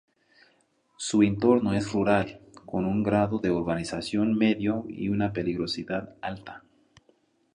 Su entorno es rural, con un grado de urbanización medio y una peligrosidad alta.